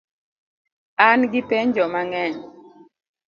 An gi penjo mang'eny